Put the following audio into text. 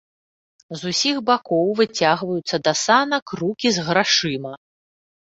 З усіх бакоў выцягваюцца да санак рукі з грашыма.